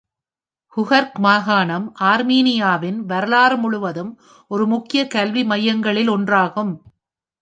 குகர்க் மாகாணம் ஆர்மீனியாவின் வரலாறு முழுவதும் ஒரு முக்கிய கல்வி மையங்களில் ஒன்றாகும்.